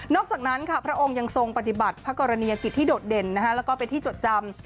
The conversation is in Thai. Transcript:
อกจากนั้นค่ะพระองค์ยังทรงปฏิบัติพระกรณียกิจที่โดดเด่นแล้วก็เป็นที่จดจำ